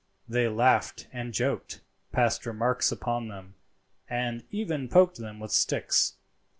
They laughed and joked, passed remarks upon them, and even poked them with sticks.